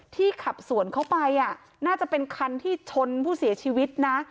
ขับสวนเข้าไปน่าจะเป็นคันที่ชนผู้เสียชีวิตนะ